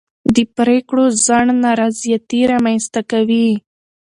د پرېکړو ځنډ نارضایتي رامنځته کوي